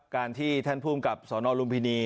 การที่ท่านภูมิกับสนลุมพินี